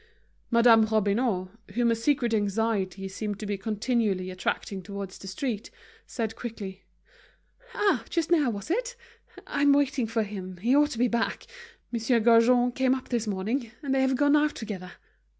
Madame Robineau, whom a secret anxiety seemed to be continually attracting towards the street, said quickly: "Ah, just now, wasn't it? I'm waiting for him, he ought to be back; Monsieur Gaujean came up this morning, and they have gone out together."